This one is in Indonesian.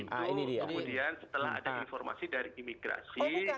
kemudian setelah ada informasi dari imigrasi